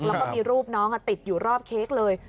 แล้วก็มีรูปน้องติดอยู่รอบเค้กเลย